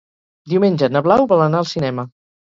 Diumenge na Blau vol anar al cinema.